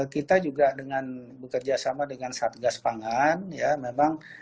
kita juga dengan bekerjasama dengan satgas pangan ya memang